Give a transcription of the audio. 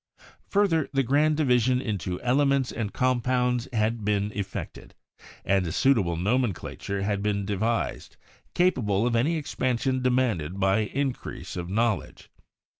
Further, the grand division into elements and compounds had been effected, and a suitable nomencla ture had been devised, capable of any expansion demanded by increase of knowledge.